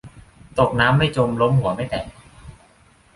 ตกน้ำไม่จม ล้มหัวไม่แตก